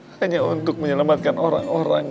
hanya untuk menyelamatkan orang orang